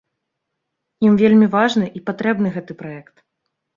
Ім вельмі важны і патрэбны гэты праект.